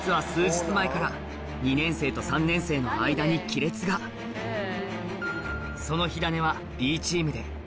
実はその火種はＢチームではい！